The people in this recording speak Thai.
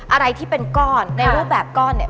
อะไรที่เป็นก้อนในรูปแบบก้อนเนี่ย